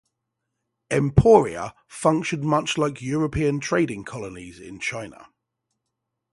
"Emporia" functioned much like European trading colonies in China.